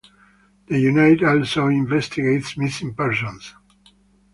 The unit also investigates missing persons.